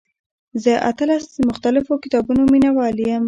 زه اتلس د مختلفو کتابونو مینوال یم.